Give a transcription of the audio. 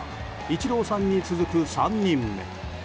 イチローさんに続く３人目。